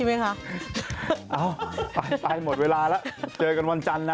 เอาไปไปหมดเวลาแล้วเจอกันวันจันทร์นะ